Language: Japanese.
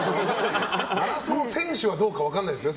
マラソン選手はどうか分かんないですよ。